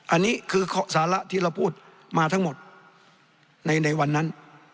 อันนี้คือสาระที่เราพูดมาทั้งหมดในวันนั้น